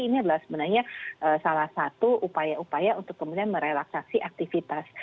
jadi ini adalah sebenarnya salah satu upaya upaya untuk kemudian merelaksasi aktivitas